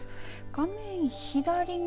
画面左側